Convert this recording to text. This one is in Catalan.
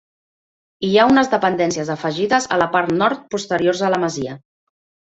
Hi ha unes dependències afegides a la part nord posteriors a la masia.